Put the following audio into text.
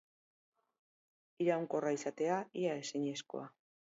Iraunkorra izatea, ia ezinezkoa.